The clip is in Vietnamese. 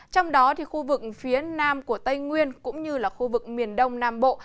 trong đó khu vực phía nam của tây nguyên cũng như là khu vực miền đông nam bộ